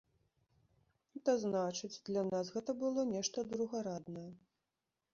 Гэта значыць, для нас гэта было нешта другараднае.